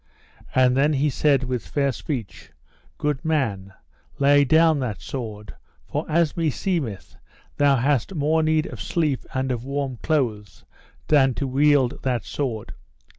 And then he said with fair speech: Good man, lay down that sword, for as meseemeth thou hadst more need of sleep and of warm clothes than to wield that sword.